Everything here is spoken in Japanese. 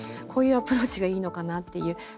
こういうアプローチがいいのかなっていう